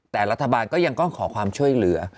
แต่รัฐบาลก็ยังต้องขอความช่วยเหลือ